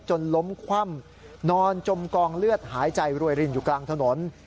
ล้มคว่ำนอนจมกองเลือดหายใจรวยรินอยู่กลางถนน